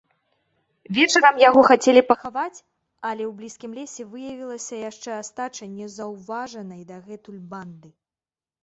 Вечарам яго хацелі пахаваць, але ў блізкім лесе выявілася яшчэ астача незаўважанай дагэтуль банды.